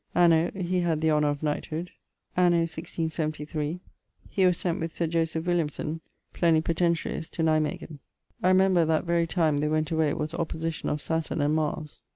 Anno ... he had the honour of knighthood. Anno 1673, was sent with Sir Joseph Williamson, plenipotentiaries, to Nemeghen: I remember that very time they went away was opposition of Saturn and Mars.